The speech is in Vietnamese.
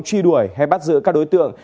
truy đuổi hay bắt giữ các đối tượng